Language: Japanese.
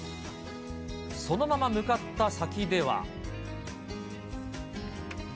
そのまま向かった先では。